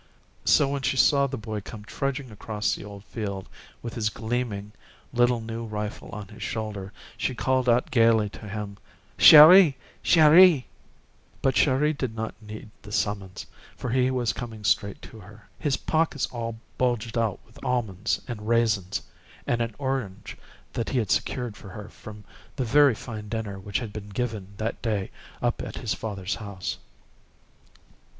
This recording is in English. So when she saw the boy come trudging across the old field with his gleaming little new rifle on his shoulder, she called out gayly to him, "Chéri! Chéri!" But Chéri did not need the summons, for he was coming straight to her. His pockets all bulged out with almonds and raisins and an orange that he had secured for her from the very fine dinner which had been given that day up at his father's house.